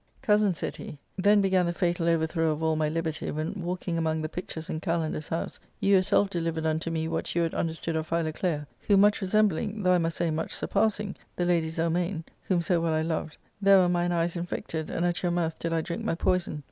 ^ I Cousin," said he, " then began the fatal overthrow of all 1 my liberty when, walking among the pictures in Kalander*s I house, you yourself delivered unto me what you had underi stood of Philoclea, who, much resembling — though I must say, much surpassing — the lady Zelmane, whom so well I loved, there were mine eyes infected, and at your mouth did I drink my poison.